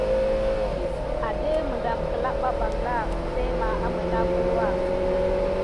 Əŋɗeke defà aɗef mà kifà net ɗik piriti nà sika mis namtua siga.